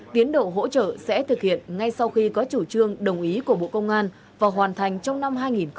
tiến độ hỗ trợ sẽ thực hiện ngay sau khi có chủ trương đồng ý của bộ công an và hoàn thành trong năm hai nghìn hai mươi